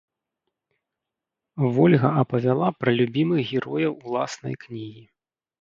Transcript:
Вольга апавяла пра любімых герояў уласнай кнігі.